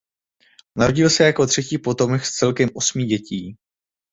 Narodil se jako třetí potomek z celkem osmi dětí.